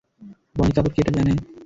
বনি কাপুর কি এটা জানে?